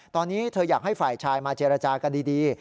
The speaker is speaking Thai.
ตอนนี้เธออยากให้ฝ่ายชายมาเจรจากันดี